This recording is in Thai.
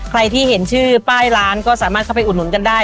ใครที่เห็นชื่อป้ายร้านก็สามารถเข้าไปอุดหนุนกันได้